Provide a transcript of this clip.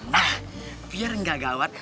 nah biar gak gawat